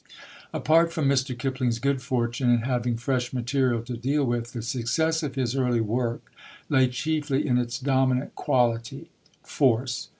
Apart from Mr. Kipling's good fortune in having fresh material to deal with, the success of his early work lay chiefly in its dominant quality Force.